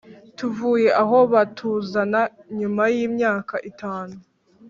tuvuye aho batuzana nyuma y’imyaka itanu